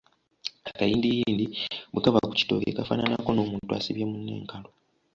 Akayindiyindi bwe kaba ku kitooke kafaananako n’omuntu asibye munne enkalu.